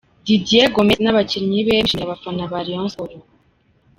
Didier Gomez n’abakinnyi be bashimira abafana ba Rayon Sport.